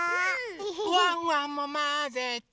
ワンワンもまぜて！